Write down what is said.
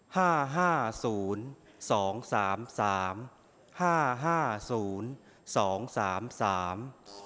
ห้าห้าศูนย์สองสามสามห้าห้าศูนย์สองสามสาม